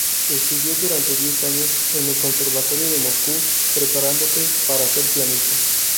Estudió durante diez años en el Conservatorio de Moscú, preparándose para ser pianista.